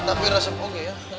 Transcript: tapi resep oke ya